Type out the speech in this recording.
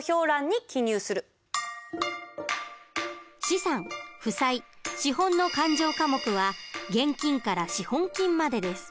資産負債資本の勘定科目は現金から資本金までです。